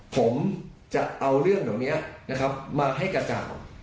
ผมจะเอาเรื่องเหล่านี้นะครับมาให้กระจ่าง